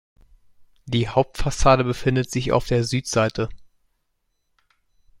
Die Hauptfassade befindet sich auf der Südseite.